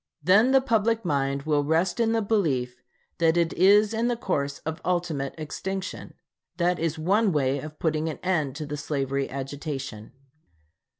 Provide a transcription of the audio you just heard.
Then the public mind will rest in the belief that it is in the course of ultimate extinction. That is one way of putting an end to the slavery agitation.